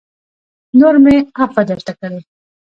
نور مې عفوه درته کړې